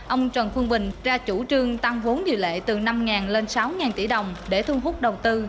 ông trần phương bình ra chủ trương tăng vốn điều lệ từ năm lên sáu tỷ đồng để thu hút đầu tư